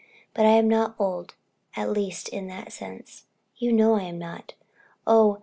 But I am not old at least in that sense you know I am not. Oh!